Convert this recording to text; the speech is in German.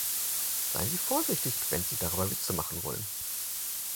Seien Sie vorsichtig, wenn Sie darüber Witze machen wollen.